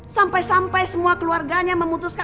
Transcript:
sampai sampai semua keluarganya memutuskan